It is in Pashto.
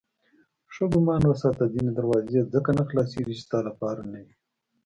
ښه ګمان وساته ځینې دروازې ځکه نه خلاصېدې چې ستا لپاره نه وې.